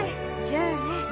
じゃあね